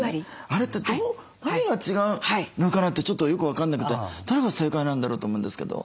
あれって何が違うのかな？ってちょっとよく分かんなくてどれが正解なんだろう？と思うんですけど。